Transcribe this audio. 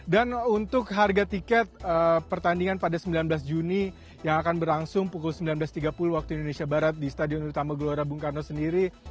dan untuk harga tiket pertandingan pada sembilan belas juni yang akan berlangsung pukul sembilan belas tiga puluh waktu indonesia barat di stadion utama gelora bung karno sendiri